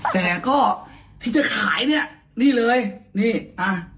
แต่ก็ที่จะขายเนี่ยนี่เลยนี่อ่ะ